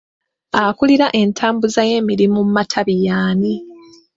Akulira entambuza y'emirimu mu matabi y'ani?